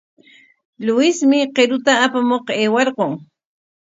Luismi qiruta apamuq aywarqun.